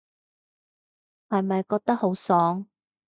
係咪覺得好爽